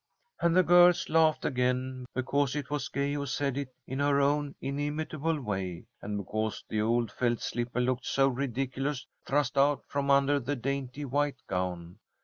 And the girls laughed again, because it was Gay who said it in her own inimitable way, and because the old felt slipper looked so ridiculous thrust out from under the dainty white gown.